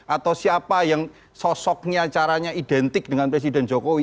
atau siapa yang sosoknya caranya identik dengan presiden jokowi